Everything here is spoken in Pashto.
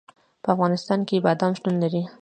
په افغانستان کې بادام شتون لري.